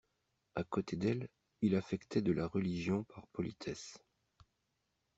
A côté d'elle, il affectait de la religion par politesse.